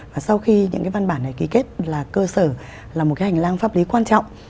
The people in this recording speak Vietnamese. và sau khi những cái văn bản này ký kết là cơ sở là một cái hành lang pháp lý quan trọng